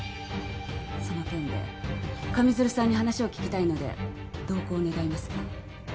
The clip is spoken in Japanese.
その件で上水流さんに話を聞きたいので同行願えますか？